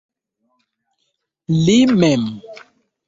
Li mem.